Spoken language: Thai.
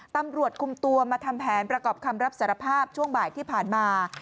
ตำรวจคุมตัวมาทำแผนประกอบคำรับสารภาพช่วงบ่ายที่ผ่านมา